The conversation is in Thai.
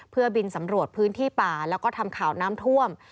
เพื่อบินสำรวจพื้นที่ป่าแล้วก็ทำข่าวน้ำท่วม